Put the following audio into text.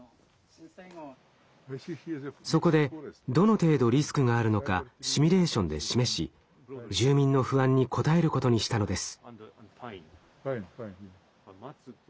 そこでどの程度リスクがあるのかシミュレーションで示し住民の不安に応えることにしたのです。